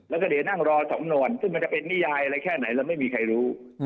แล้วก็เดี๋ยวนั่งรอสำนวนซึ่งมันจะเป็นนิยายอะไรแค่ไหนเราไม่มีใครรู้